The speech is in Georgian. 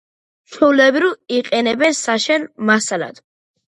ჩვეულებრივ იყენებენ საშენ მასალად.